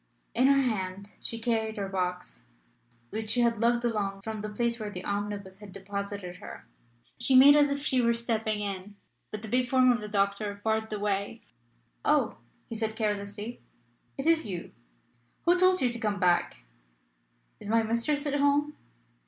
In her hand she carried her box, which she had lugged along from the place where the omnibus had deposited her. She made as if she were stepping in; but the big form of the doctor barred the way. "Oh!" he said carelessly, "it is you. Who told you to come back?" "Is my mistress at home?"